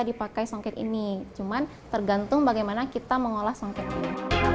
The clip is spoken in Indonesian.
jadi kita bisa pakai songket ini cuma tergantung bagaimana kita mengolah songket ini